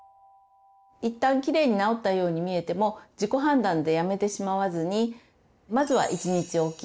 一旦きれいに治ったように見えても自己判断でやめてしまわずにまずは１日おき